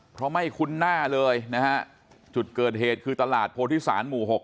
เพราะไม่คุ้นหน้าเลยนะฮะจุดเกิดเหตุคือตลาดโพธิศาลหมู่หก